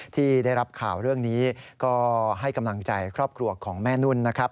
ที่ได้รับข่าวเรื่องนี้ก็ให้กำลังใจครอบครัวของแม่นุ่นนะครับ